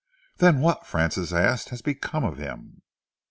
"Then what," Francis asked, "has become of him?"